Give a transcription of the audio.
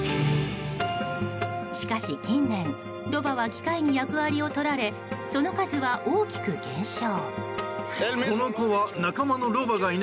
しかし近年、ロバは機械に役割を取られその数は大きく減少。